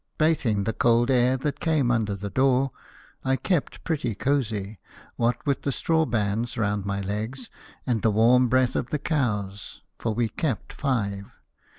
Bating the cold air that came under the door, I kept pretty cosy, what with the straw bands round my legs and the warm breath of the cows: for we kept five.